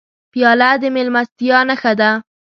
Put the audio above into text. پیاله د میلمستیا نښه ده.